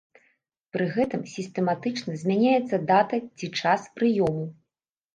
Пры гэтым сістэматычна змяняецца дата ці час прыёму.